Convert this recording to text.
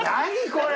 これ。